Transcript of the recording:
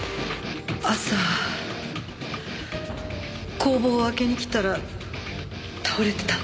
朝工房を開けに来たら倒れてたんです。